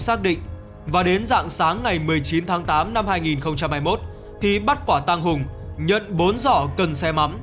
xác định và đến dạng sáng ngày một mươi chín tháng tám năm hai nghìn hai mươi một thì bắt quả tăng hùng nhận bốn giỏ cần xe mắm